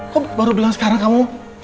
kok baru bilang sekarang kamu